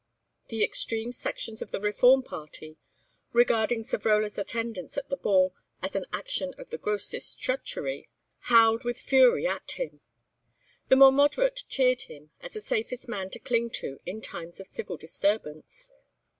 The extreme sections of the Reform' Party, regarding Savrola's attendance at the ball as an action of the grossest treachery, howled with fury at him; the more moderate cheered him as the safest man to cling to in times of civil disturbance.